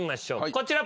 こちら。